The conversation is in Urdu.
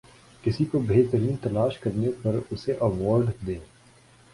کسی کو بہترین تلاش کرنے پر اسے ایوارڈ دیں